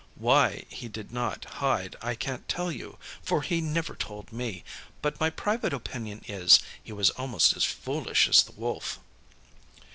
Why he did not hide, I can't tell you, for he never told me; but my private opinion is, he was almost as foolish as the Wolf.